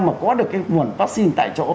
mà có được cái nguồn vaccine tại chỗ